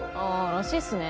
らしいっすね。